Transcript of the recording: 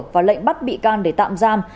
và lệnh bắt bị can để tạm giam